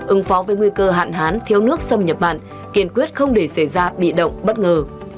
ứng phó với nguy cơ hạn hán thiếu nước xâm nhập mặn kiên quyết không để xảy ra bị động bất ngờ